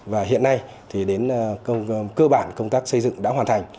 và hiện nay thì đến cơ bản công tác xây dựng đã hoàn thành